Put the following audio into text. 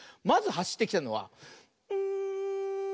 まずはしってきたのはん。